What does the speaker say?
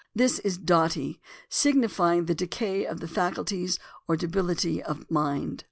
This is "dotty," signifying the decay of the faculties or debility of mind.